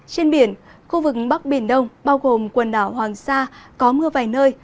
trên biển khu vực bắc biển đông bao gồm quần đảo hoàng sa có mưa vài nơi